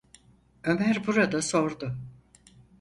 Ömer burada sordu: